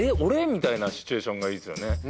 みたいなシチュエーションがいいですよね